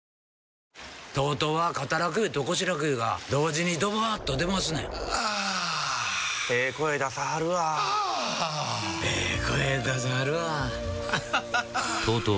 ＴＯＴＯは肩楽湯と腰楽湯が同時にドバーッと出ますねんあええ声出さはるわあええ